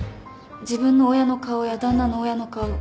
自分の親の顔や旦那の親の顔